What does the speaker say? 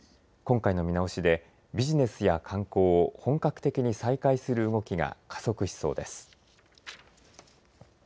今回の見直しで、ビジネスや観光を本格的に再開する動きが加速しそうです。